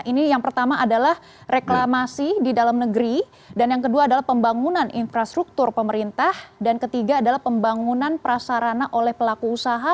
ini yang pertama adalah reklamasi di dalam negeri dan yang kedua adalah pembangunan infrastruktur pemerintah dan ketiga adalah pembangunan prasarana oleh pelaku usaha